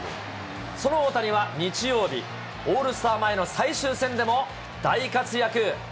その大谷は日曜日、オールスター前の最終戦でも、大活躍。